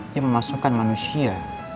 yang memasukkan manusia